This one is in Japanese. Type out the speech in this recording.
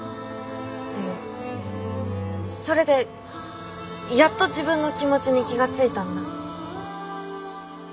でもそれでやっと自分の気持ちに気が付いたんだ。